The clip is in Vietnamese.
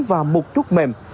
ba và một chút mềm